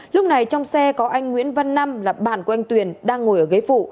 lúc này trong xe có anh nguyễn văn năm là bạn của anh tuyền đang ngồi ở ghế phụ